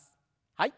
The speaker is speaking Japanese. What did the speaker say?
はい。